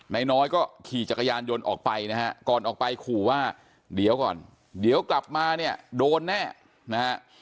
นายน้อยก็ขี่จักรยานยนต์ออกไปนะฮะก่อนออกไปขู่ว่าเดี๋ยวก่อนเดี๋ยวกลับมาเนี่ยโดนแน่นะฮะ